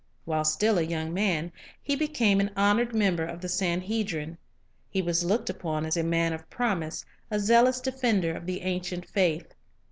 While still a young man, he became an honored member of the Sanhedrin. He was looked upon as a man of promise, a zealous defender of the ancient faith.